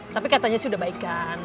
tapi katanya sih udah baik kan